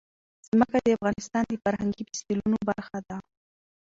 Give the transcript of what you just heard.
ځمکه د افغانستان د فرهنګي فستیوالونو برخه ده.